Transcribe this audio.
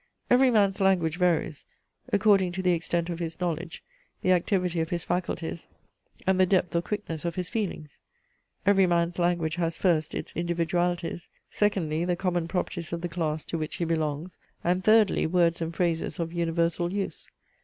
Every man's language varies, according to the extent of his knowledge, the activity of his faculties, and the depth or quickness of his feelings. Every man's language has, first, its individualities; secondly, the common properties of the class to which he belongs; and thirdly, words and phrases of universal use.